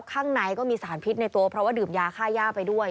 ข้างในก็มีสารพิษในตัวเพราะว่าดื่มยาค่าย่าไปด้วย